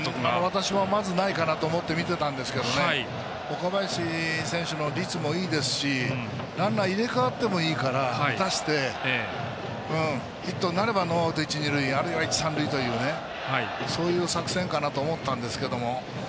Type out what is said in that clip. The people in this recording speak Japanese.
私はまずないかなと思って見てたんですけど岡林選手の率もいいですしランナー、入れ代わってもいいから出して、ヒットになればノーアウト、一塁二塁あるいは一、三塁というそういう作戦かなと思って見ていたんですけども。